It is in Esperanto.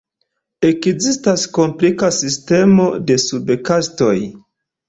Ekzistas komplika sistemo de sub-kastoj.